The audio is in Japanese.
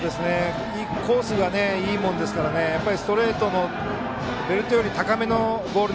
コースがいいものですからストレートのベルトより高めのボール